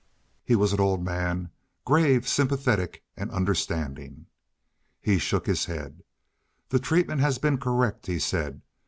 He was an old man, grave, sympathetic, understanding. He shook his head. "The treatment has been correct," he said.